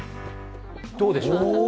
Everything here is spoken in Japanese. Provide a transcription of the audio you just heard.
どうでしょう。